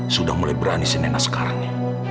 sudah mulai berani si nenek sekarang ya